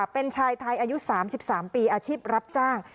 เป็นชายไทยอายุ๓๓ปีอาชีพรับจ้าง